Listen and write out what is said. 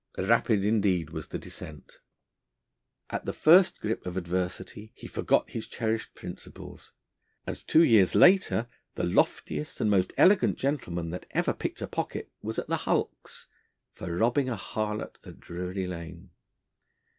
Rapid, indeed, was the descent. At the first grip of adversity, he forgot his cherished principles, and two years later the loftiest and most elegant gentlemen that ever picked a pocket was at the Hulks for robbing a harlot at Drury Lane!